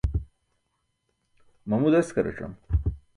mamu deskaracam